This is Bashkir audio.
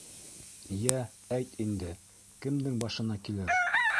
Йә, әйт инде, кемдең башына килер?